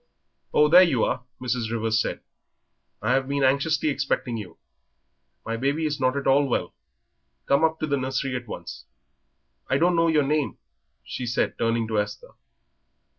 "Oh, here you are," Mrs. Rivers said. "I have been anxiously expecting you; my baby is not at all well. Come up to the nursery at once. I don't know your name," she said, turning to Esther.